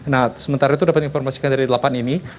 nah sementara itu dapat informasikan dari delapan ini